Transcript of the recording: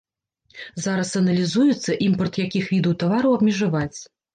Зараз аналізуецца, імпарт якіх відаў тавараў абмежаваць.